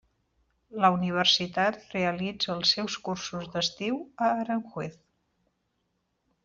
La universitat realitza els seus cursos d'estiu a Aranjuez.